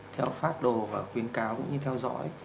theo phác đồ và khuyến cáo cũng như theo dõi